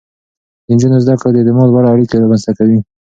د نجونو زده کړه د اعتماد وړ اړيکې رامنځته کوي.